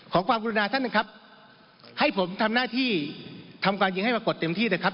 ขอความกรุณาท่านนะครับให้ผมทำหน้าที่ทำการยิงให้ปรากฏเต็มที่นะครับ